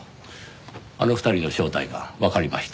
あの２人の正体がわかりました。